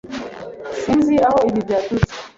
Sinzi aho ibi byaturutse.